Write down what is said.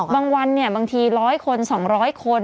บางวันบางที๑๐๐คน๒๐๐คน